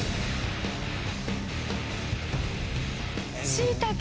しいたけ！